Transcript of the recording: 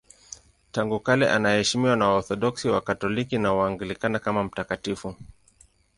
Tangu kale anaheshimiwa na Waorthodoksi, Wakatoliki na Waanglikana kama mtakatifu.